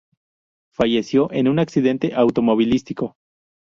Falleció en un accidente automovilístico.